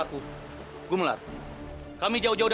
aku tidak akan menyakiti kalian